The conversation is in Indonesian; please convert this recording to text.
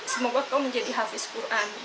semoga kau menjadi hafiz quran